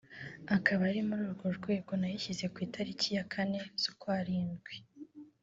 Akaba ari muri urwo rwego nayishyize ku itariki ya kane z’ukwarindwi